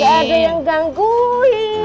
gak ada yang gangguin